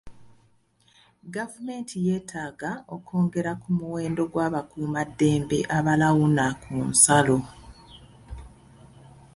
Gavumenti yeetaaga okwongera ku muwendo gw'abakuumaddembe abalawuna ku nsalo.